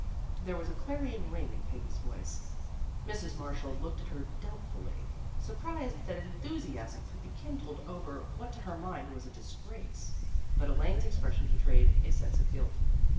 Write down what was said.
There was a clarion ring in Peggy's voice. Mrs. Marshall looked at her doubtfully, sur prised that enthusiasm could be kindled over what to her mind was a disgrace. But Elaine's expression betrayed a sense of guilt.